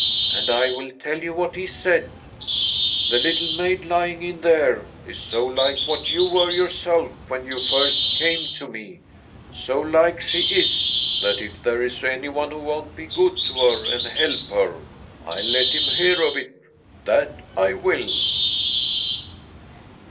And I will tell you what he said :' The little maid lying in there is so like what you were yourself when you first came to me, so like she is, that if there is any one who won't be good to her and help her, I'll let him hear of it, that I will.'